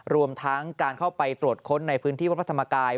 รวมทั้งการเข้าไปตรวจค้นในพื้นที่วัดพระธรรมกาย